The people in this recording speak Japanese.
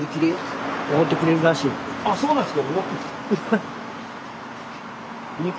あっそうなんですか。